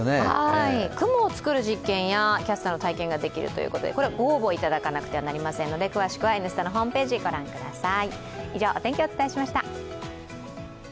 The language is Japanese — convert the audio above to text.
雲をつくる実験やキャスターの体験ができるということでご応募いただかなくてはいけませんので詳しくは「Ｎスタ」のホームページをご覧ください。